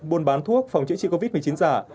buôn bán thuốc phòng chữa trị covid một mươi chín giả